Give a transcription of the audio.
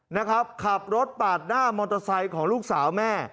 นะครับขับรถปาดหน้ามอเตอร์ไซค์ของลูกสาวแม่